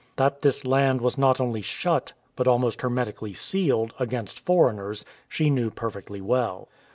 That this land was not only shut, but almost hermetically sealed, against foreigners she knew perfectly well.